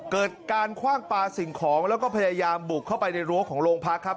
เกิดการคว่างปลาสิ่งของแล้วก็พยายามบุกเข้าไปในรั้วของโรงพักครับ